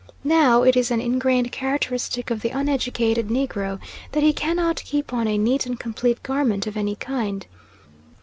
Now it is an ingrained characteristic of the uneducated negro, that he cannot keep on a neat and complete garment of any kind.